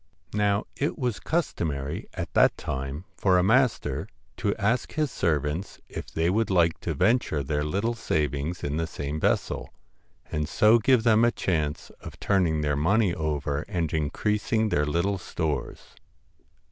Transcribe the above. Now it was customary at that time for a master to ask his servants if they would like to venture their little savings in the same vessel, and so give them a chance of turning their money over and increasing their little stores.